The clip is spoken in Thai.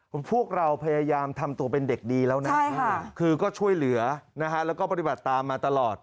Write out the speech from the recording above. พวกเราพยายามทำตัวเป็นเด็กดีแล้วนะคือก็ช่วยเหลือนะฮะแล้วก็ปฏิบัติตามมาตลอด